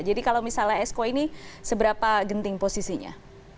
jadi kalau misalnya exco ini seberapa genting posisinya